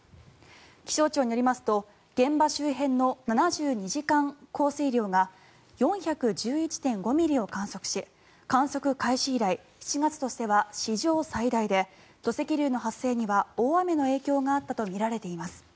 気象庁によりますと現場周辺の７２時間降水量が４１１．５ミリを観測し観測開始以来７月としては史上最大で土石流の発生には大雨の影響があったとみられています。